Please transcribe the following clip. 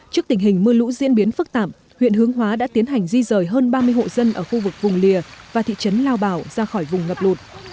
trước tình hình mưa lũ diễn biến phức tạp huyện hướng hóa đã tiến hành di rời hơn ba mươi hộ dân ở khu vực vùng lìa và thị trấn lao bảo ra khỏi vùng ngập lụt